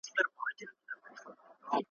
دا وروستی ګلاب د اوړي چي تنها ښکاریږي ښکلی ,